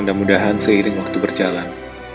mudah mudahan seiring waktu berjalan